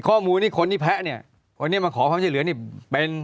ข้อมูลให้คนนี้แพ้เนี่ยวันต์เนี่ยมาขอครั้งที่เหลือนี้เป็น